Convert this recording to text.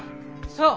そう。